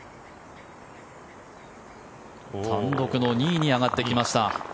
単独の２位に上がってきました。